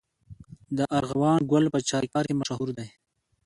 د ارغوان ګل په چاریکار کې مشهور دی.